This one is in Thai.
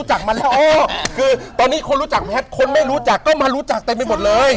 ใช่ใช่ไหมถูกต้องไหม